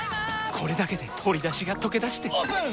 これだけで鶏だしがとけだしてオープン！